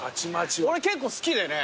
俺結構好きでね。